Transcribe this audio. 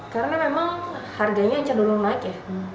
karena memang harganya cenderung naik ya